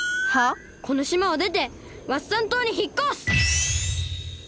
このしまをでてワッサン島にひっこす！